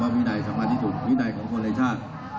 และขันดิการก็พนาในเรื่องความรู้เรียนรู้